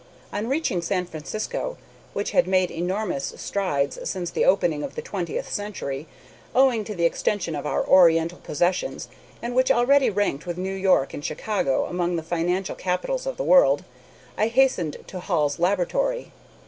On reaching San Francisco, which had made enormous strides since the opening of the twentieth century, owing to the extension of our Oriental possessions, and which already ranked with New York and Chicago among the financial capitals of the world, I hastened to Hall's laboratory.